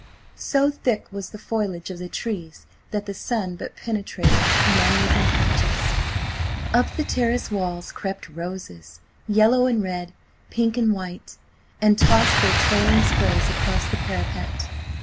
So thick was the foliage of the trees that the sun but penetrated in uneven patches. Up the terrace walls crept roses, yellow and red, pink and white, and tossed their trailing sprays across the parapet.